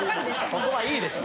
・そこはいいでしょ